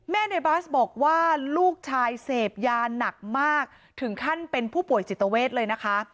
ในบาสบอกว่าลูกชายเสพยาหนักมากถึงขั้นเป็นผู้ป่วยจิตเวทเลยนะคะ